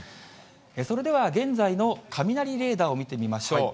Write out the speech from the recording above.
それでは、現在の雷レーダーを見てみましょう。